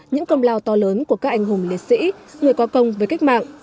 những công lao to lớn của các anh hùng liệt sĩ người có công với cách mạng